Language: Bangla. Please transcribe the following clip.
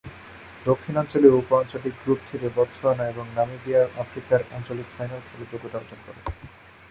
দক্ষিণাঞ্চলীয় উপ আঞ্চলিক গ্রুপ থেকে বতসোয়ানা এবং নামিবিয়া আফ্রিকার আঞ্চলিক ফাইনাল খেলার যোগ্যতা অর্জন করে।